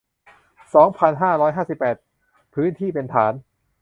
สองพันห้าร้อยห้าสิบแปด พื้นที่เป็นฐาน